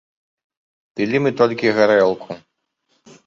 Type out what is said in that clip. Пілі мы толькі гарэлку.